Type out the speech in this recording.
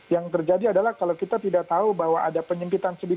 yang terjadi adalah kalau kita tidak tahu bahwa ada penyempitan